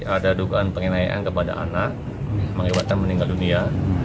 ada dugaan penganiayaan kepada anak mengibatkan meninggal dunia